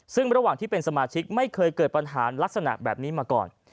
ซึ่งระหว่างที่เป็นสมาชิกไม่เคยเกิดปัญหาลักษณะแบบนี้มาก่อน